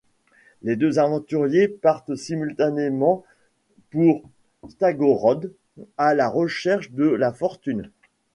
Les deux aventuriers partent simultanément pour Stargorod, à la recherche de la fortune.